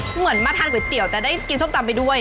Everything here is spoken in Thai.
เหมือนมาทานก๋วยเตี๋ยวแต่ได้กินส้มตำไปด้วย